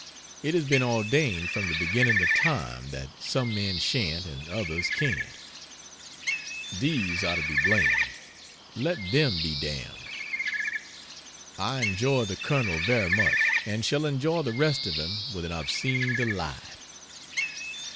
It has been ordained from the beginning of time that some men shan't and others can't. These are to be blamed: let them be damned. I enjoy the Colonel very much, and shall enjoy the rest of him with an obscene delight.